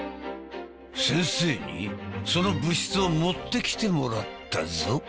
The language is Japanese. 先生にその物質を持ってきてもらったぞ。